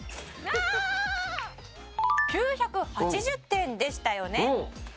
「９８０点でしたよね」